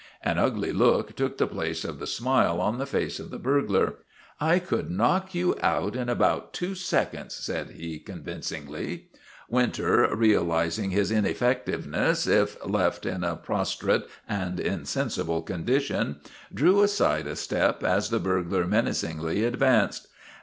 An ugly look took the place of the smile on the face of the burglar. " I could knock you out in about two seconds," said he, convincingly. Winter, realizing his ineffectiveness if left in a prostrate and insensible condition, drew aside a step WOTAN, THE TERRIBLE 233 as the burglar menacingly advanced.